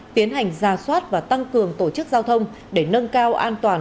tiến hành ra soát và tăng cường tổ chức giao thông để nâng cao an toàn